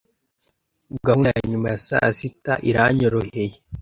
Gahunda ya nyuma ya saa sita iranyoroheye.